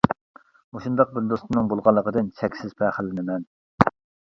مۇشۇنداق بىر دوستۇمنىڭ بولغانلىقىدىن چەكسىز پەخىرلىنىمەن.